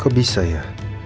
kok bisa ya